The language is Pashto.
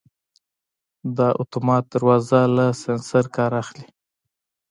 دا اتومات دروازه له سنسر کار اخلي.